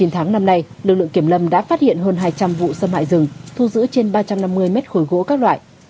chín tháng năm nay lực lượng kiểm lâm đã phát hiện hơn hai trăm linh vụ xâm hại rừng thu giữ trên ba trăm năm mươi mét khối gỗ các loại